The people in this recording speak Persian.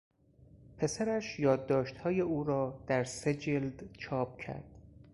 پسرش یادداشتهای او را در سه جلد چاپ کرد.